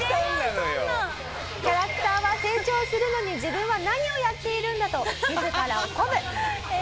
キャラクターは成長するのに自分は何をやっているんだと自らを鼓舞。